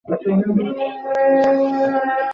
দুপুরের পর থেকেই হঠাৎ করে খুব দিন-খারাপ হলো।